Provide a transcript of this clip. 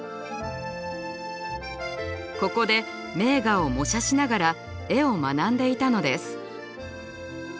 ここで名画を模写しながら絵を学んでいたのです。